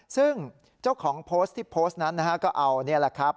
ซึ่งเจ้าของโพสต์ที่โพสต์นั้นนะฮะก็เอานี่แหละครับ